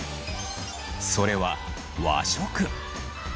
それは和食。